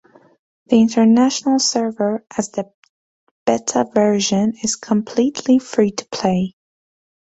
The International server, as the beta version, is completely free to play.